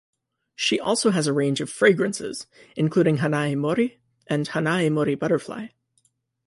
She also has a range of fragrances, including Hanae Mori and Hanae Mori Butterfly.